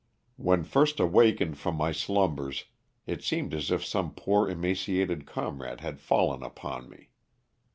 When first awakened from my slumbers it seemed as if some poor emaciated comrade had fallen upon me.